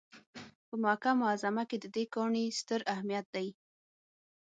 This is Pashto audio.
په مکه معظمه کې د دې کاڼي ستر اهمیت دی.